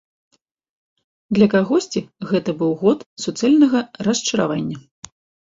Для кагосьці гэта быў год суцэльнага расчаравання.